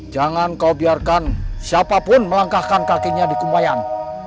jangan kau biarkan siapapun melangkahkan kakinya di kumbayan